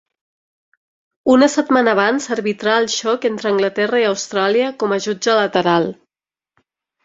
Una setmana abans arbitrà el xoc entre Anglaterra i Austràlia com a jutge lateral.